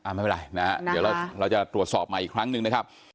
ไม่เป็นไรนะฮะเดี๋ยวเราจะตรวจสอบใหม่อีกครั้งหนึ่งนะครับ